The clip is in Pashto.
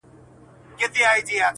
هم داسي ستا دا گل ورين مخ.